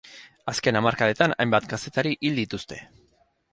Azken hamarkadetan hainbat kazetari hil dituzte.